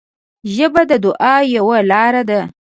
ژبه د دعا یوه لاره ده